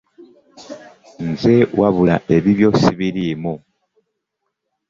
Nze wabula ebibyo sibiriimu.